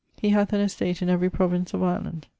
He hath an estate in every province of Ireland.